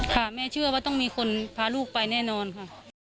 ค่ะแม่เชื่อว่าต้องมีคนพาลูกไปแน่นอนค่ะ